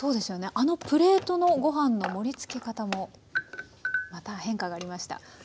あのプレートのご飯の盛りつけ方もまた変化がありました。